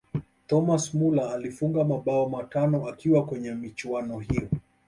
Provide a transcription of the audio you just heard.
thomas muller alifunga mabao matano akiwa kwenye michuano hiyo